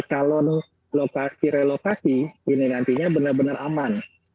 calon lokasi relokasi ini nantinya benar benar aman